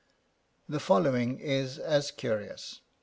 The following is as curious.